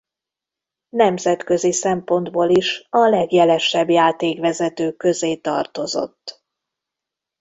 Nemzetközi szempontból is a legjelesebb játékvezetők közé tartozott.